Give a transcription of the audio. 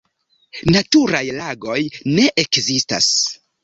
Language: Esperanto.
Naturaj lagoj ne ekzistas.